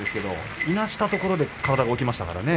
いなしたところで体が起きましたね。